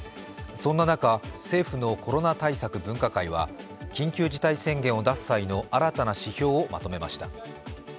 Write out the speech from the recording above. そんな中、政府のコロナ対策分科会は緊急事態宣言を出す際の新たな指標をまとめました。